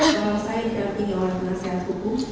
kalau saya didampingi oleh penasehat hukum